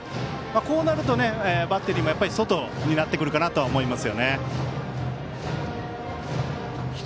こうなるとバッテリーもやっぱり外になってくるかなと思います。